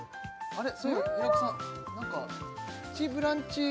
あれ？